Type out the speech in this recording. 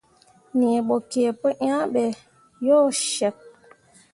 Nii bo kǝǝ pu yah be yo ceɓ.